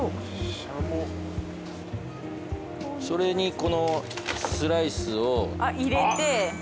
それにこのスライスを。入れて。